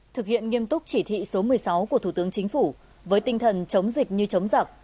thực hiện nghiêm túc chỉ thị số một mươi sáu của thủ tướng chính phủ với tinh thần chống dịch như chống giặc